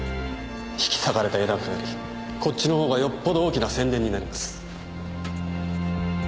引き裂かれた絵なんかよりこっちの方がよっぽど大きな宣伝になります。